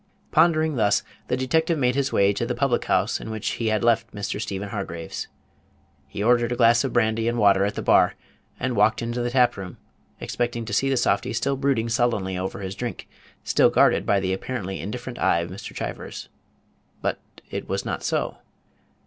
Pondering thus, the detective made his way to the public house in which he had left Mr. Stephen Hargraves. He ordered a glass of brandy and water at the bar, and walked into the tap room, expecting to see the softy still brooding sullenly over his drink, still guarded by the apparently indifferent eye of Mr. Chivers. But it was not so.